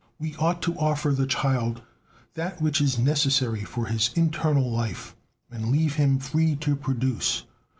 We ought to offer the child that which is necessary for his internal life, and leave him free to produce.